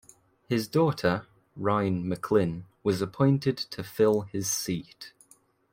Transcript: His daughter, Rhine McLin was appointed to fill his seat.